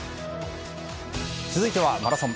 続いては、マラソン。